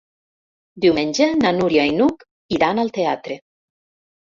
Diumenge na Núria i n'Hug iran al teatre.